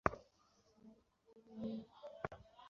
এটা অত্যন্ত সম্মানের।